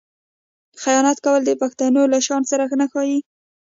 خیانت کول د پښتون له شان سره نه ښايي.